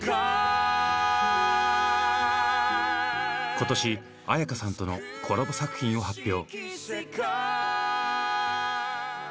今年絢香さんとのコラボ作品を発表。